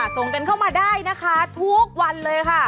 ส่งกันเข้ามาได้นะคะทุกวันเลยค่ะ